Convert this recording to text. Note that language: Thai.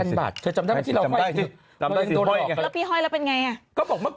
เขาบอกห้อยแล้วจะเปลี่ยนท่าในร่างกาย